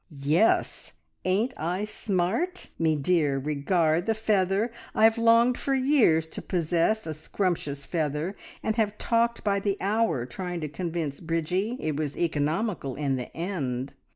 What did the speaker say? "Yes! Ain't I smart? Me dear, regard the feather! I've longed for years to possess a scrumptious feather, and have talked by the hour, trying to convince Bridgie it was economical in the end.